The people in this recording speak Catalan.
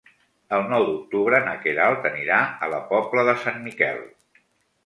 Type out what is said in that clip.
El nou d'octubre na Queralt anirà a la Pobla de Sant Miquel.